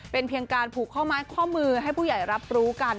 เป็นเพียงการผูกข้อไม้ข้อมือให้ผู้ใหญ่รับรู้กัน